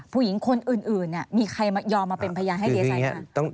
ผู้หญิงคนอื่นมีใครมายอมมาเป็นพยานให้ดีไซนค่ะ